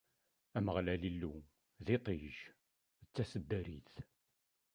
Ameɣlal Illu, d iṭij, d taseddarit!